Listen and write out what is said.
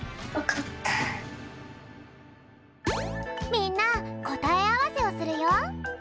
みんなこたえあわせをするよ。